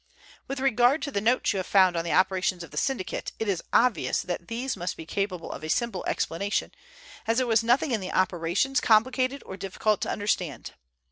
"With regard to the notes you have found on the operations of the syndicate, it is obvious that these must be capable of a simple explanation, as there was nothing in the operations complicated or difficult to understand.